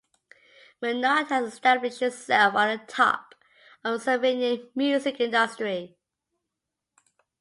Menart has established itself on the top of the Slovenian music industry.